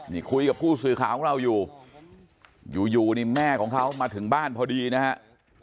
นี่คุยกับผู้สื่อข่าวของเราอยู่อยู่นี่แม่ของเขามาถึงบ้านพอดีนะฮะ